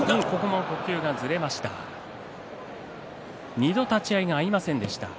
２度、立ち合いが合いませんでした。